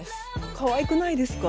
かわいくないですか？